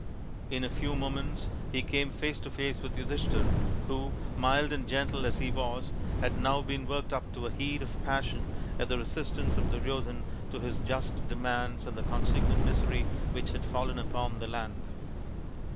In a few moments he came face to face with Yudhishthir, who, mild and gentle as he was, had now been worked up to a heat of passion at the resistance of Duryodhan to his just demands and the consequent misery which had fallen upon the land.